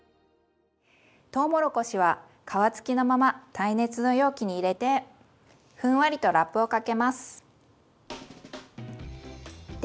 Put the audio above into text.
とうもろこしは皮付きのまま耐熱の容器に入れてふんわりとラップをかけます。